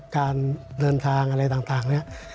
การเดินทางอะไรต่างเนี่ย